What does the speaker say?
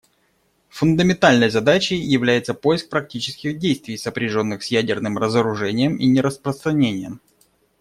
Фундаментальной задачей является поиск практических действий, сопряженных с ядерным разоружением и нераспространением.